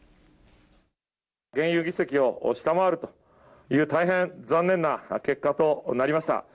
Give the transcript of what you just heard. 現有議席を下回るという、大変残念な結果となりました。